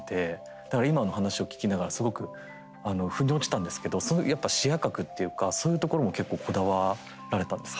だから今の話を聞きながらすごく腑に落ちたんですけどそのやっぱ視野角っていうかそういうところも結構こだわられたんですか？